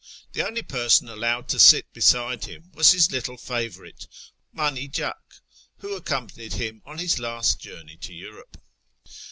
The only person allowed to sit beside him was his little favourite, " Manijak," who accompanied him on his last journey to Europe.